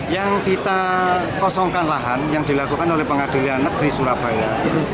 yang kita kosongkan lahan yang dilakukan oleh pengadilan negeri surabaya